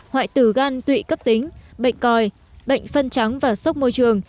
hoại tử gan tụy cấp tính bệnh còi bệnh phân trắng và sốc môi trường